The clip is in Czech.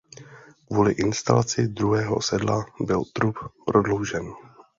Kvůli instalaci druhého sedadla byl trup prodloužen.